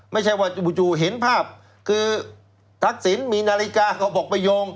ไม่ใช่ว่าจู่เห็นภาพคือทักษิณมีนาฬิกาก็บอกไปโยง